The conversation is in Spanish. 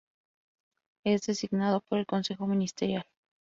Es designado por el Consejo Ministerial.